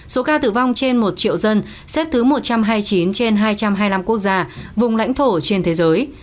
số ca tử vong trên một triệu dân xếp thứ một trăm hai mươi chín trên hai trăm hai mươi năm quốc gia vùng lãnh thổ trên thế giới